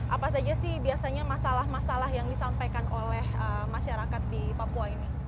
apa saja sih biasanya masalah masalah yang disampaikan oleh masyarakat di papua ini